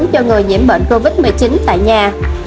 cho người nhiễm bệnh covid một mươi chín tại nhà